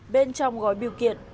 bên trong gói biểu kiện